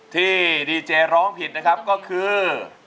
ที่ดีเจร้องผิดนะครับก็คือ